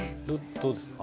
どうですか？